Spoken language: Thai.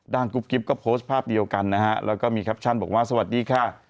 กุ๊บกิ๊บก็โพสต์ภาพเดียวกันนะฮะแล้วก็มีแคปชั่นบอกว่าสวัสดีค่ะ